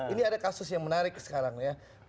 ini ada kasus yang menarik sekarang ya